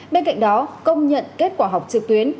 bên cạnh đó công nhận kết quả học trực tuyến